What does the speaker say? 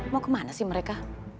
mau kemana sih mereka